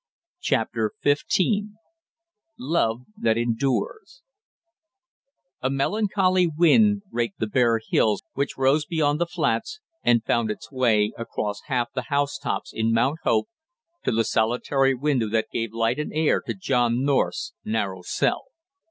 CHAPTER FIFTEEN LOVE THAT ENDURES A melancholy wind raked the bare hills which rose beyond the flats, and found its way across half the housetops in Mount Hope to the solitary window that gave light and air to John North's narrow cell.